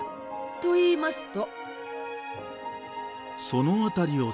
といいますと。